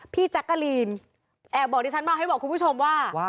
แจ๊กกะลีนแอบบอกดิฉันมาให้บอกคุณผู้ชมว่า